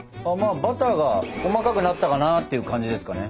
バターが細かくなったかなっていう感じですかね。